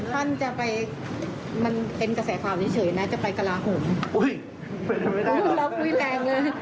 เป็นไม่ได้